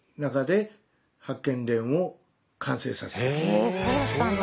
へえそうだったんだ。